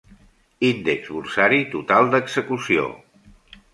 Índex borsari total d"execució.